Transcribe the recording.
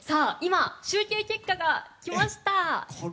集計結果が来ました。